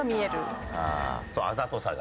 あざとさが？